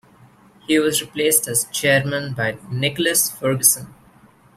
He was replaced as chairman by Nicholas Ferguson.